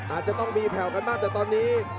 อาจจะต้องมีแผ่วกันบ้างแต่ตอนนี้